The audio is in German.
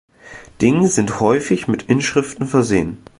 Ding sind häufig mit Inschriften versehen.